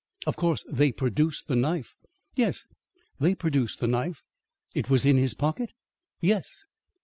"Of course they produced the knife?" "Yes, they produced the knife." "It was in his pocket?" "Yes."